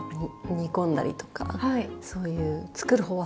煮込んだりとかそういう作る方は好きです。